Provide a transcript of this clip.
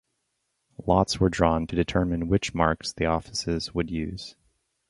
Lots were drawn to determine which marks the offices would use.